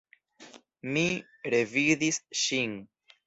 Mi revidis ŝin!